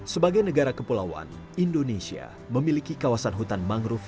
sebagai negara kepulauan indonesia memiliki kawasan hutan mangrove